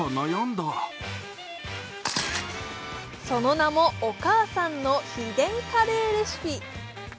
その名もお母さんの秘伝カレーレシピ。